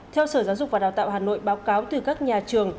theo sở giáo dục và đào tạo hà nội báo cáo từ các nhà trường